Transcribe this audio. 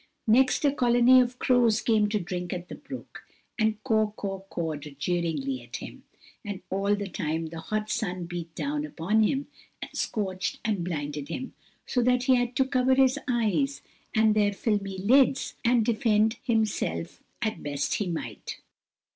Next, a colony of crows came to drink at the brook and "caw, caw, caw'd" jeeringly at him; and all the time the hot sun beat down upon him and scorched and blinded him, so that he had to cover his eyes with their filmy lids, and defend himself as best he might.